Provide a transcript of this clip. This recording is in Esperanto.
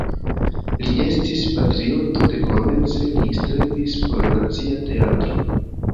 Li estis patrioto, dekomence li strebis por la Nacia Teatro.